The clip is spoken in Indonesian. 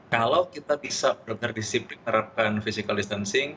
kalau kita bisa benar benar disiplin menerapkan physical distancing